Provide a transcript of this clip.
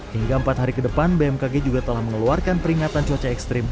hingga empat hari ke depan bmkg juga telah mengeluarkan peringatan cuaca ekstrim